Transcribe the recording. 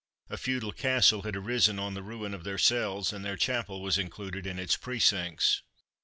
A feudal castle had arisen on the ruin of their cells, and their chapel was included in its precincts.